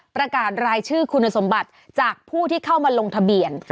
ประกาศรายชื่อคุณสมบัติจากผู้ที่เข้ามาลงทะเบียน